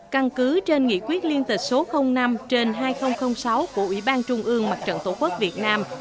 căn cứ trên nghị quyết liên tịch số năm trên hai nghìn sáu của ủy ban trung ương mặt trận tổ quốc việt nam